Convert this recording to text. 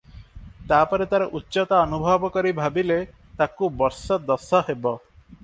ତାପରେ ତାର ଉଚ୍ଚତା ଅନୁଭବ କରି ଭାବିଲେ, ତାକୁ ବର୍ଷ ଦଶ ହେବ ।